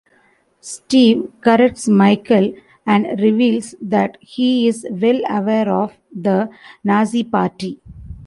Steve corrects Michael and reveals that he is well aware of the Nazi party.